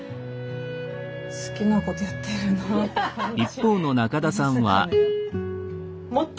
好きなことやってるなって感じですかね。